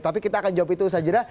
tapi kita akan jawab itu usha jeddah